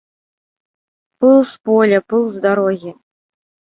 Пыл з поля, пыл з дарогі.